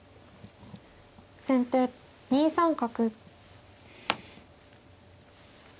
先手２三角。